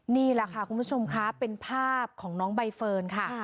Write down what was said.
นี่แหละค่ะคุณผู้ชมค่ะเป็นภาพของน้องใบเฟิร์นค่ะ